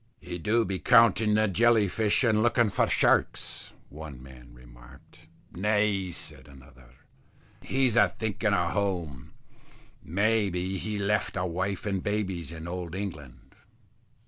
"He do be counting the jelly fish and looking for sharks," one man remarked. "Nay," said another, "he's a thinking o' home. May be, he has left a wife and babies in old England."